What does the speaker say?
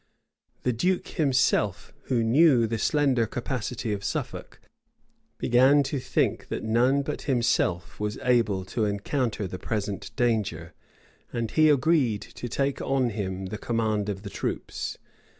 The duke himself, who knew the slender capacity of Suffolk, began to think that none but himself was able to encounter the present danger; and he agreed to take on him the command of the troops.